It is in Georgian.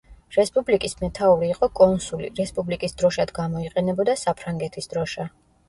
რესპუბლიკის მეთაური იყო კონსული, რესპუბლიკის დროშად გამოიყენებოდა საფრანგეთის დროშა.